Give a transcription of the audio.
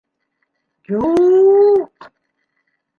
— Ю-юҡ...